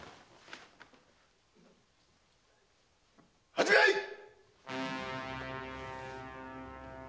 始めいっ！